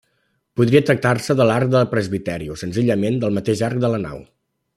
Podria tractar-se de l'arc del presbiteri o, senzillament, del mateix arc de la nau.